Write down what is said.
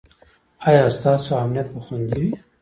ایا ستاسو امنیت به خوندي وي؟